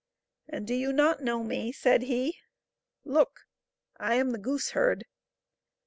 " And do you not know me ? said he ;look ! I am the gooseherd."